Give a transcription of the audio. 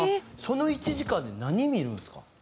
その１時間で何見るんですか？